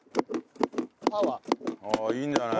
いいんじゃない？